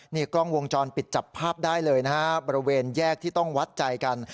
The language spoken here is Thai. นี่กล้องวงจรปิดจับภาพได้เลยนะฮะบริเวณแยกที่ต้องวัดใจกัน